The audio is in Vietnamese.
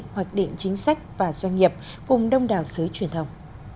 hoạch định chính sách và doanh nghiệp cùng đông đảo xứ truyền thông